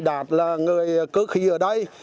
đạt là người cơ khí ở đây